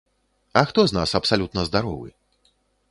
А хто з нас абсалютна здаровы?